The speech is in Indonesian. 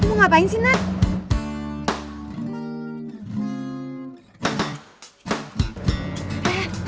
lo mau ngapain sih nek